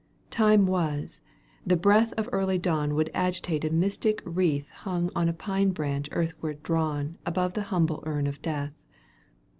Time was, the breath of early dawn Would agitate a mystic wreath Hung on a pine branch earthward drawn Above the humble urn of death.